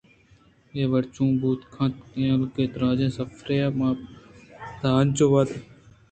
اے وڑ چون بوت کنت اینکہ درٛاجیں سفرے ءَ من پداہنچو واتر راہ دیگ باں